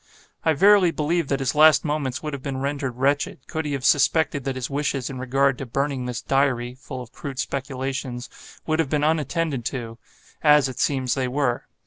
I verily believe that his last moments would have been rendered wretched, could he have suspected that his wishes in regard to burning this 'Diary' (full of crude speculations) would have been unattended to; as, it seems, they were.